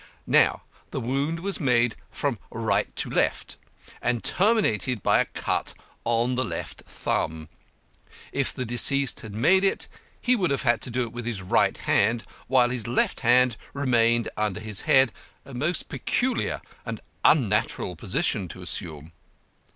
Now the wound was made from right to left, and terminated by a cut on the left thumb. If the deceased had made it he would have had to do it with his right hand, while his left hand remained under his head a most peculiar and unnatural position to assume.